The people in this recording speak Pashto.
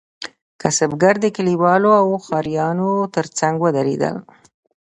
کسبګر د کلیوالو او ښاریانو ترڅنګ ودریدل.